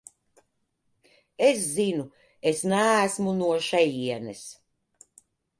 Es zinu, es neesmu no šejienes.